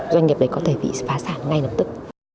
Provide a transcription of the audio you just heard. doanh nghiệp đấy có thể bị phá sản ngay lập tức